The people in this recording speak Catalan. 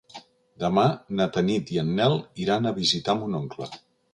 Demà na Tanit i en Nel iran a visitar mon oncle.